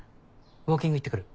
ウオーキング行って来る。